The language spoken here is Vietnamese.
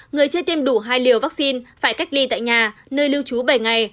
người chưa tiêm đủ hai liều vaccine phải cách ly tại nhà nơi lưu trú bảy ngày